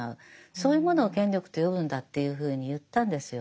そういうものを権力と呼ぶんだっていうふうに言ったんですよ。